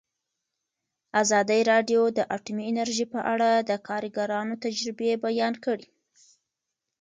ازادي راډیو د اټومي انرژي په اړه د کارګرانو تجربې بیان کړي.